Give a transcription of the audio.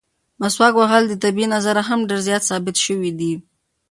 مسواک وهل د طبي نظره هم ډېر زیات ثابت شوي دي.